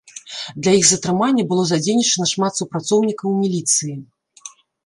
Для іх затрымання было задзейнічана шмат супрацоўнікаў міліцыі.